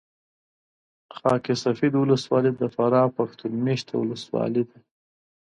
خاک سفید ولسوالي د فراه پښتون مېشته ولسوالي ده